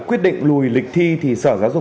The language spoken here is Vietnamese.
quyết định lùi lịch thi thì sở giáo dục